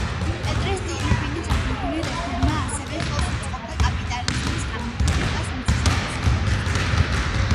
პეტრე სტოლიპინის აგრარული რეფორმა ასევე ხელს უწყობდა კაპიტალიზმის განვითარებას მიწათმოქმედებაში.